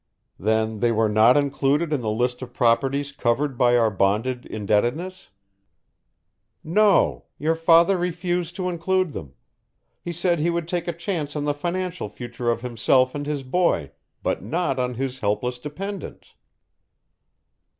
"Then they were not included in the list of properties covered by our bonded indebtedness?" "No, your father refused to include them. He said he would take a chance on the financial future of himself and his boy, but not on his helpless dependents."